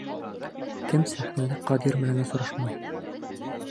Кем сәхнәлә Ҡадир менән осрашмай?